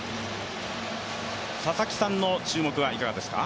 佐々木さんの注目はいかがですか？